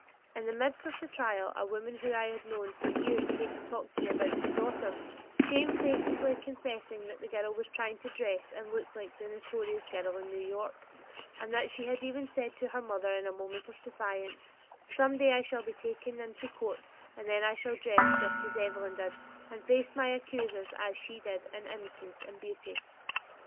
In the midst of the trial a woman whom I had known for years came to talk to me about her daughter, shamefacedly confessing that the girl was trying to dress and look like the notorious girl in New York, and that she had even said to her mother in a moment of defiance, "Some day I shall be taken into court and then I shall dress just as Evelyn did and face my accusers as she did in innocence and beauty."